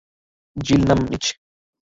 জিল নাম নিচে।